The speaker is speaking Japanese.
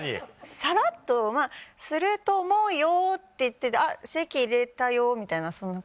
さらっと「すると思うよ」って言ってて「籍入れたよ」みたいなそんな感じかな。